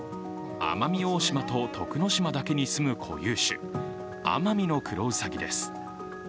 奄美大島と徳之島だけに住む固有種、アマミノクロウサギです。